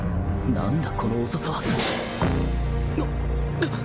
何だこの遅さは！？なっ！？